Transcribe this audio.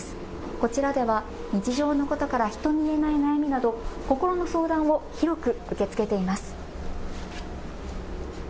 こちらでは日常のことから人に言えない悩みなど心の相談を広く受け付けています。